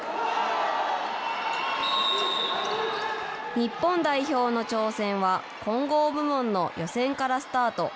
日本代表の挑戦は、混合部門の予選からスタート。